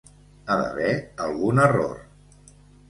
Ha d'haver algun error.